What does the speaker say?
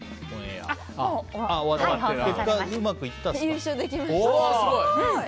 優勝できました。